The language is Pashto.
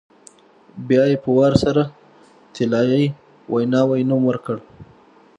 بیا یې په وار سره طلایي ویناوی نوم ورکړ.